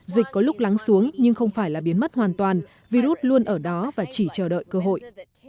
dịch có lúc lắng xuống nhưng không phải là biến mất hoàn toàn virus luôn ở đó và chỉ chờ đợi cơ hội